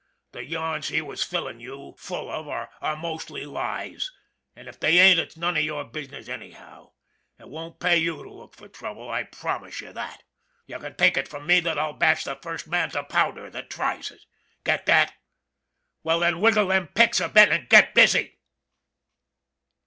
The yarns he was fillin' you full of are mostly lies, an' if they ain't it's none of your business, anyhow. It won't pay you to look for trouble, I promise you that. You can take it from me that I'll bash the first man to powder that tries it. Get that? Well then, wiggle them picks a bit an' get busy